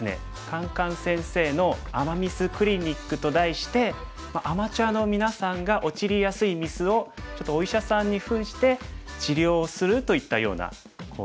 「カンカン先生の“アマ・ミス”クリニック」と題してアマチュアのみなさんが陥りやすいミスをちょっとお医者さんにふんして治療するといったような講座になります。